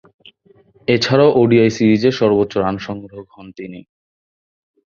এছাড়াও ওডিআই সিরিজে সর্বোচ্চ রান সংগ্রাহক হন তিনি।